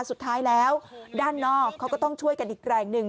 สุดท้ายแล้วด้านนอกเขาก็ต้องช่วยกันอีกแรงหนึ่ง